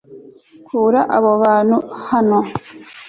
kura abo bantu hano